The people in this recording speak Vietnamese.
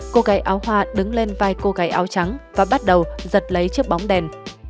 cô gái áo hoa đứng lên vai cô gái áo trắng và bắt đầu giật lấy chiếc bóng đèn